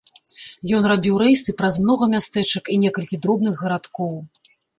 Ён рабіў рэйсы праз многа мястэчак і некалькі дробных гарадкоў.